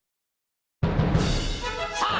さあ！